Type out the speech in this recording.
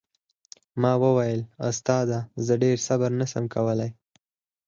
ما وويل استاده زه ډېر صبر نه سم کولاى.